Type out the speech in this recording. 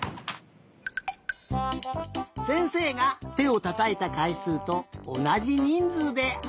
せんせいがてをたたいたかいすうとおなじにんずうであつまれるかな？